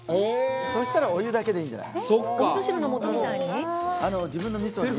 そうしたらお湯だけでいいじゃない。